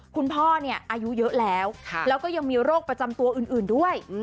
คุณพ่ออายุเยอะแล้วแล้วก็ยังมีโรคประจำตัวอื่นด้วย